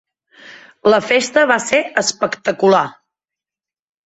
La festa va ser espectacular.